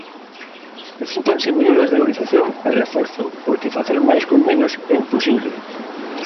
Necesítanse medidas de organización e reforzo, porque facer máis con menos é imposible.